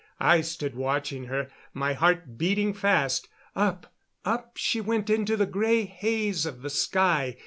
I stood watching her, my heart beating fast. Up up she went into the gray haze of the sky.